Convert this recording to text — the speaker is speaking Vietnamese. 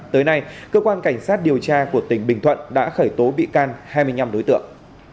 tới nay cơ quan cảnh sát điều tra của tỉnh bình thuận đã khởi tố bị can hai mươi năm đối tượng